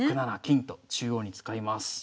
６七金と中央に使います。